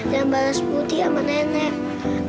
dan balas budi sama nenek